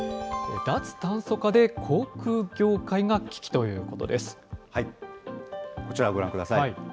脱炭素化で航空業界が危機というこちらご覧ください。